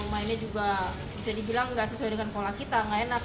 mainnya juga bisa dibilang nggak sesuai dengan pola kita nggak enak